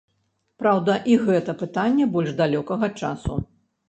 Праўда, і гэта пытанне больш далёкага часу.